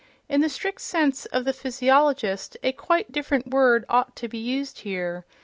In the strict sense of the physiologist, a quite different word ought to be used here....